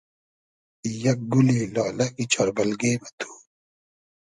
یئگ گولی لالئگی چار بئلگې مہ تو